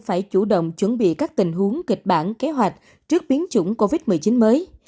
phải chủ động chuẩn bị các tình huống kịch bản kế hoạch trước biến chủng covid một mươi chín mới